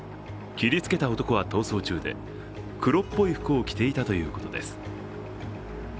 切りつけた男は逃走中で、黒っぽい服を着ていたということです。